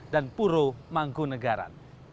dan puro mangkunegara